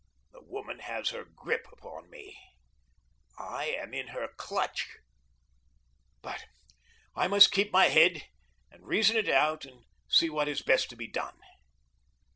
The woman has her grip upon me. I am in her clutch. But I must keep my head and reason it out and see what is best to be done.